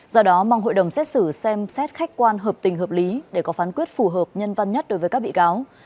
do đó mong hội đồng xét xử xem xét khách quan hợp tình hợp lý để có phán quyết phù hợp nhân văn nhất đối với các bị cáo